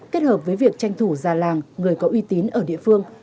kết hợp với việc tranh thủ già làng người có uy tín ở địa phương